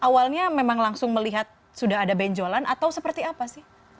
awalnya memang langsung melihat sudah ada benjolan atau seperti apa sih